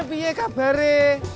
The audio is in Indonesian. pakai apa kabarnya